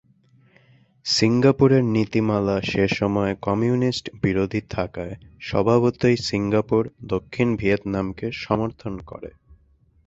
সিঙ্গাপুরের নীতিমালা সেসময় কমিউনিস্ট-বিরোধী থাকায় স্বভাবতই সিঙ্গাপুর দক্ষিণ ভিয়েতনামকে সমর্থন করে।